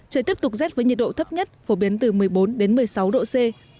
trời tiếp tục rét với nhiệt độ thấp nhất phổ biến từ một mươi bốn đến một mươi sáu độ c